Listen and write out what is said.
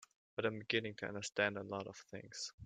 But I'm beginning to understand a lot of things.